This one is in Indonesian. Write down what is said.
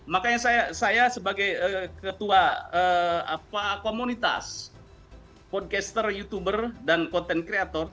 makanya saya sebagai ketua komunitas podcaster youtuber dan content creator